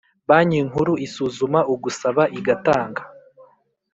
Banki Nkuru isuzuma ugusaba igatanga